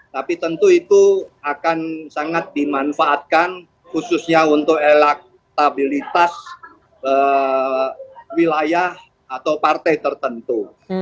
tapi tentu itu akan sangat dimanfaatkan khususnya untuk elektabilitas wilayah atau partai tertentu